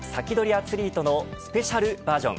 アツリートのスペシャルバージョン。